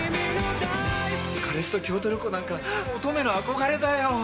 彼氏と京都旅行なんか乙女の憧れだよ。